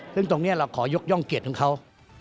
ซึ่งตรงนี้เราขอยกย่องเกียรติของเขา